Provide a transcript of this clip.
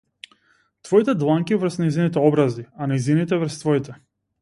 Твоите дланки врз нејзините образи, а нејзините врз твоите.